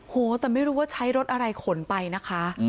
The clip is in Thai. โหแต่ไม่รู้ว่าใช้รถอะไรขนไปนะคะ